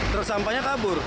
truk sampahnya kabur